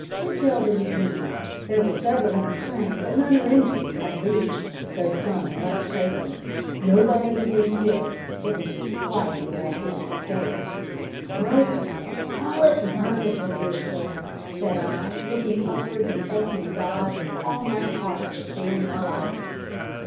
"Which elderly gentleman? There were several in the train, but none are injured, I believe, though some are much shaken. Nobody has been killed. It has been quite a miraculous escape." "Merciful call it merciful, my dear sir," said I, looking upwards and thanking God with all my heart for sparing my life.